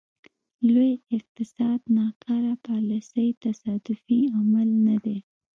لوی اقتصاد ناکاره پالیسۍ تصادفي عمل نه دی.